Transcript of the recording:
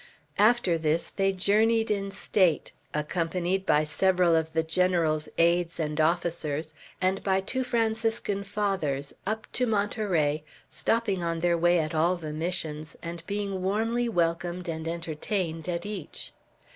After this they journeyed in state, accompanied by several of the General's aids and officers, and by two Franciscan Fathers, up to Monterey, stopping on their way at all the Missions, and being warmly welcomed and entertained at each.